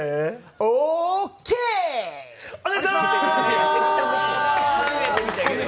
お願いします。